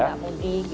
enggak mudik gitu ya